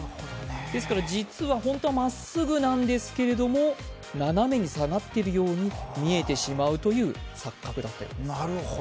ですから、実は本当は真っすぐなんですけれども、斜めに下がっているように見えてしまうという錯覚だったようです。